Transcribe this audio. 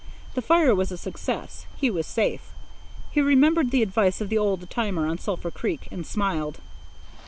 The fire was a success. He was safe. He remembered the advice of the old timer on Sulphur Creek, and smiled.